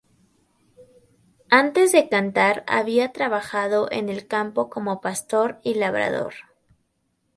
Antes de cantar había trabajado en el campo como pastor y labrador.